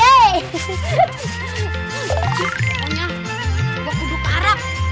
pokoknya gua kuduk ke arab